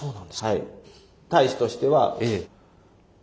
はい。